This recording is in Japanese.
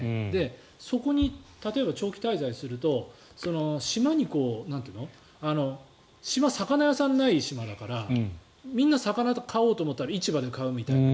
そこに例えば、長期滞在すると島は魚屋さんのない島だからみんな、魚買おうと思ったら市場で買うみたいな。